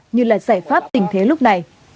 như là giải pháp tình thế lúc này